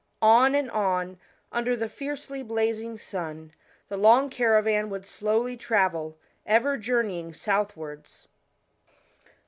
On and on, under the fiercely blazing sun, the long caravan would slowly travel, ever journeying southwards.